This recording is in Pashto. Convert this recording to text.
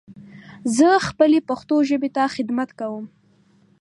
زه خپلې پښتو ژبې ته خدمت کوم.